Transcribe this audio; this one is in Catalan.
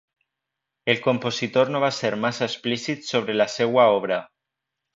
El compositor no va ser massa explícit sobre la seua obra.